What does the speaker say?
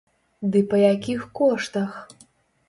Ды па якіх коштах!